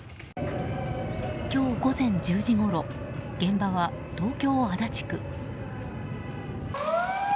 今日午前１０時ごろ現場は東京・足立区。